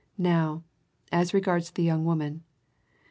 Now, as regards the young woman.